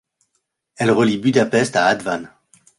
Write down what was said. Elle relie Budapest à Hatvan.